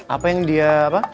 apa yang dia apa